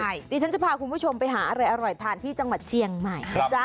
เดี๋ยวฉันจะพาคุณผู้ชมไปหาอะไรอร่อยทานที่จังหวัดเชียงใหม่นะจ๊ะ